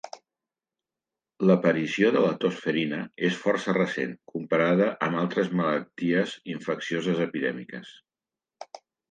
L'aparició de la tos ferina és força recent, comparada amb altres malalties infeccioses epidèmiques.